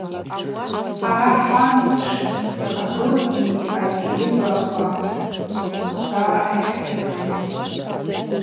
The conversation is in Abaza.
Хӏара хӏан дшхӏхъагылугьи айыбаква – хӏва йхӏыпхьитӏ.